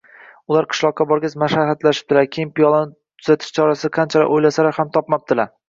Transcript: Ular qishloqqa borgach, maslahatlashibdilar, lekin piyolani tuzatish chorasini qancha o‘ylasalar ham topolmabdilar